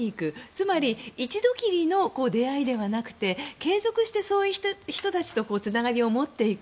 つまり一度きりの出会いではなくて継続してそういう人たちとつながりを持っていく。